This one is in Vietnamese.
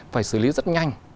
phải xử lý rất nhanh